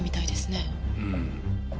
うん。